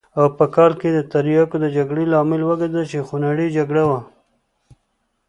او په کال کې د تریاکو د جګړې لامل وګرځېد چې خونړۍ جګړه وه.